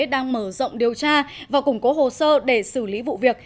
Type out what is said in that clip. đang mở rộng điều tra và củng cố hồ sơ để xử lý vụ việc